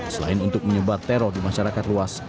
selain untuk menyebar teror di masyarakat luas